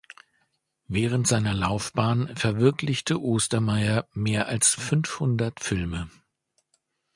Während seiner Laufbahn verwirklichte Ostermayr mehr als fünfhundert Filme.